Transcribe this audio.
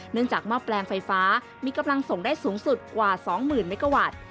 จากหม้อแปลงไฟฟ้ามีกำลังส่งได้สูงสุดกว่า๒๐๐๐เมกาวัตต์